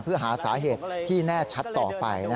เพื่อหาสาเหตุที่แน่ชัดต่อไป